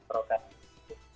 terima kasih ustaz